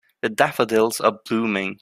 The daffodils are blooming.